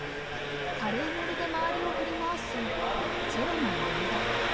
軽いノリで周りを振り回すチェロの山田。